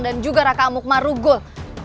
dan juga raka amuk marugul